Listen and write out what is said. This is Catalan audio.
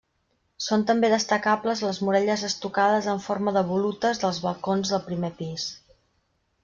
Són també destacables les muralles estucades en forma de volutes dels balcons del primer pis.